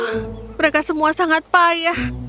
yang mereka inginkan hanyalah menjadikanku istri piala